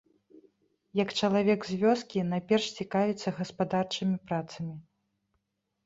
Як чалавек з вёскі, найперш цікавіцца гаспадарчымі працамі.